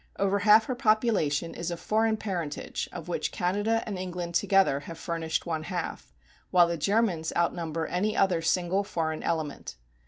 Over half her population is of foreign parentage, of which Canada and England together have furnished one half, while the Germans outnumber any other single foreign element.